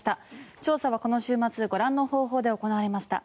調査はこの週末ご覧の方法で行われました。